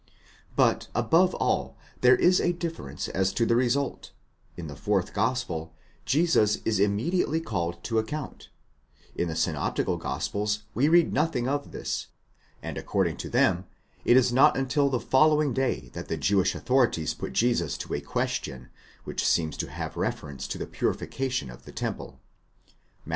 But, above all, there is a difference as to the result: in the fourth gospel, Jesus is immediately called to account ; in the synoptical gospels, we read nothing of this, and according to them, it is not until the following day that the Jewish authorities put to Jesus a question, which seems to have reference to the purification of the temple (Matt.